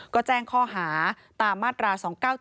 ก็แจ้งข้อหาตามมาตรา๒๙๗